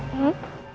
mas cantik banget